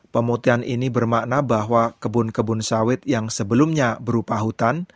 pemutihan ini bermakna bahwa kebun kebun sawit yang sebelumnya berupa hutan